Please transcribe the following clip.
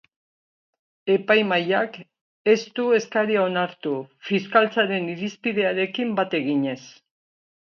Epaimahaiak ez du eskaria onartu, fiskaltzaren irizpidearekin bat eginez.